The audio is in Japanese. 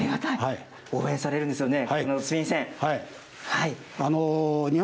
応援されるんですよね。